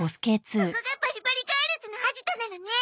ここがバリバリガールズのアジトなのね。